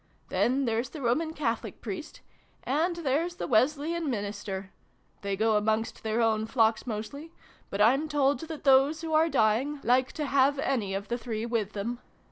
Then there's the Roman Catholic Priest. And there's the Wes leyan Minister. They go amongst their own flocks, mostly ; but I'm told that those who are dying like to have any of the three with them.